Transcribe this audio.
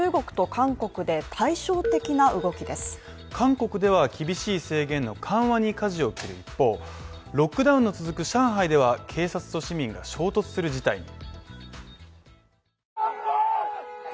韓国では厳しい制限の緩和にかじを切る一方、ロックダウンの続く上海では警察と市民が衝突する事態に。